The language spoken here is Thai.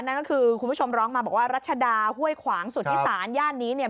นั่นก็คือคุณผู้ชมร้องมาบอกว่ารัชดาห้วยขวางสุธิศาลย่านนี้เนี่ย